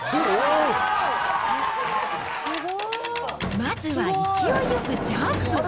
まずは勢いよくジャンプ。